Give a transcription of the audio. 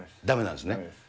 だめなんですね。